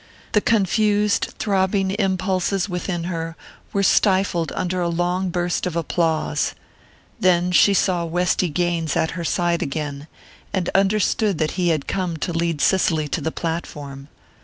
The confused throbbing impulses within her were stifled under a long burst of applause then she saw Westy Gaines at her side again, and understood that he had come to lead Cicely to the platform.